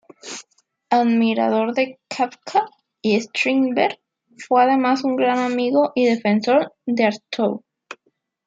Admirador de Kafka y Strindberg, fue además un gran amigo y defensor de Artaud.